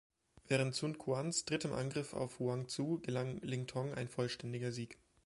Während Sun Quans drittem Angriff auf Huang Zu gelang Ling Tong ein vollständiger Sieg.